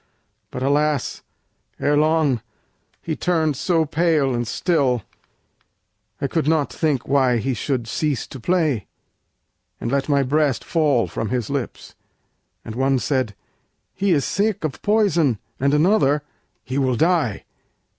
But alas! ere long He turned so pale and still, I could not think Why he should cease to play, and let my breast Fall from his lips. And one said, 'He is sick Of poison;' and another, 'He will die.'